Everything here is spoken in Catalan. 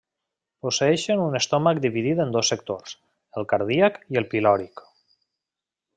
Posseeixen un estómac dividit en dos sectors: el cardíac i el pilòric.